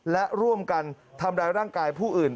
และร่วมกันทำร้ายร่างกายผู้อื่น